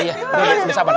bapak sabar sabar sabar ya